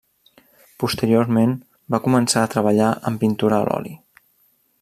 Posteriorment, va començar a treballar amb pintura a l'oli.